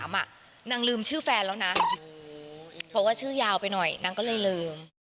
มันเกินอยู่แต่ยาวซะสักที